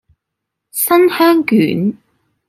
新香卷